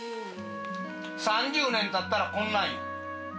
３０年たったら、こんなんよ。